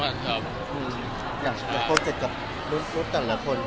อยากเข้าใจรู้สึกกี่คน